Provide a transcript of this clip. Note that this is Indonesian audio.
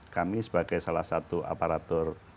kami sebagai salah satu aparatur